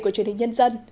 của truyền hình nhân dân